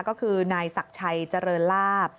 ก็คือนายศักดิ์ชัยเจริญลาบ